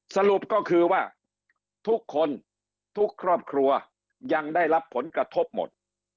สรุปก็คือว่าทุกคนทุกครอบครัวยังได้รับผลกระทบหมด